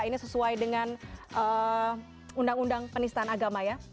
ini sesuai dengan undang undang penistaan agama ya